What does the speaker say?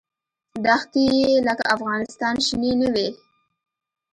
دښتې یې لکه افغانستان شنې نه وې.